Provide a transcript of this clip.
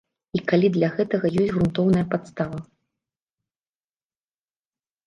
І калі для гэтага ёсць грунтоўная падстава.